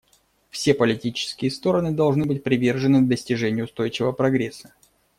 Все политические стороны должны быть привержены достижению устойчивого прогресса.